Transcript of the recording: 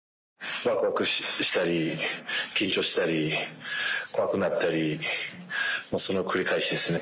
わくわくしたり、緊張したり、怖くなったり、その繰り返しですね。